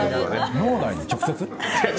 脳内に直接？